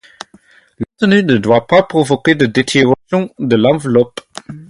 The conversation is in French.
Le contenu ne doit pas provoquer de détérioration de l’enveloppe.